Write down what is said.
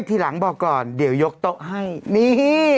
ทีหลังบอกก่อนเดี๋ยวยกโต๊ะให้นี่